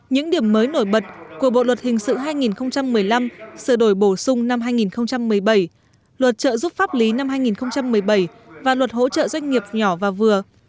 những điểm mới nổi bật của bộ luật hình sự hai nghìn một mươi năm sửa đổi bổ sung năm hai nghìn một mươi bảy luật trợ giúp pháp lý năm hai nghìn một mươi bảy và luật hỗ trợ doanh nghiệp nhỏ và vừa